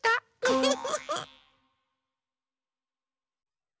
フフフフ。